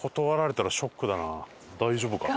大丈夫かな？